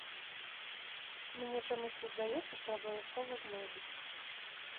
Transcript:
Мне чамусьці здаецца, што абавязкова знойдуць.